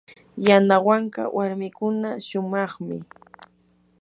yanawanka warmikuna shumaqmi.